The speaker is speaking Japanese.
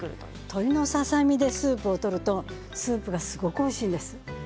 鶏のささ身でスープを取るとスープがすごくおいしいんです。